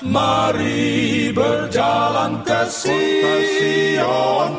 mari berjalan ke sion